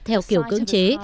theo kiểu cưỡng chế